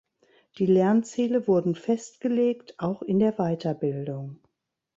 Die Lernziele wurden festgelegt, auch in der Weiterbildung.